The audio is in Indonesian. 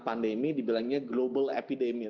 pandemi dibilangnya global epidemic